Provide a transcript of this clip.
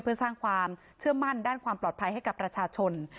เพื่อสร้างความเชื่อมั่นด้านความปลอดภัยให้กับประชาชน